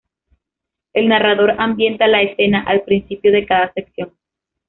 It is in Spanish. El narrador ambienta la escena al principio de cada sección.